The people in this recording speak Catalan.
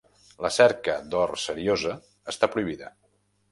La cerca d'or seriosa està prohibida.